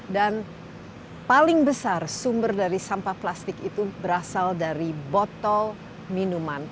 dan paling besar sumber dari sampah plastik itu berasal dari botol minuman